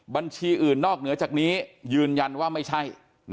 บัญชีอื่นนอกเหนือจากนี้ยืนยันว่าไม่ใช่